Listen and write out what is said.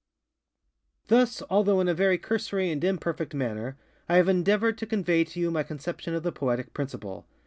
Thus, although in a very cursory and imperfect manner, I have endeavored to convey to you my conception of the Poetic Principle.